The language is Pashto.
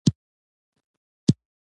کورس د ښوونځي کمزوري پوښي.